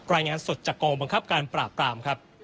รายงานสดจากกองบังคับการปราบปรามครับ